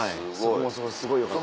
そこもすごいよかった。